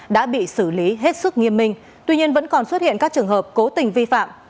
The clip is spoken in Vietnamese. đã bị xử lý hết sức nghiêm minh tuy nhiên vẫn còn xuất hiện các trường hợp cố tình vi phạm